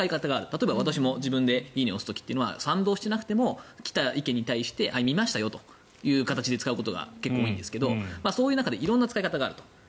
例えば私も自分で「いいね」を押す時は賛同してなくても来た意見に対して見ましたよという形で使うことが多いんですけどそういう中で色んな使い方がある。